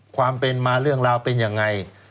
ความเป็นมาเรื่องราวเป็นยังไง